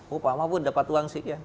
oh pak mahfud dapat uang sekian